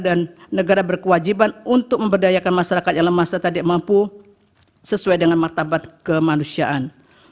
dan negara berkewajiban untuk memberdayakan masyarakat yang lemah setidaknya mampu sesuai dengan martabat kemanusiaan